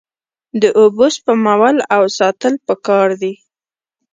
د اوبو سپمول او ساتل پکار دي.